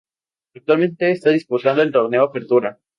Actualmente está disputando el torneo Apertura.